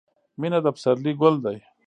• مینه د پسرلي ګل دی.